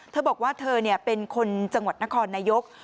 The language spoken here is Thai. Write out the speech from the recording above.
เธอบอกว่าเธอเป็นคนจังหวัดนครนายก